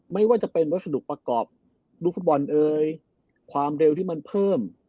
ไม่ว่าจะเป็นวัสดุประกอบลูกฟุตบอลเอ่ยความเร็วที่มันเพิ่ม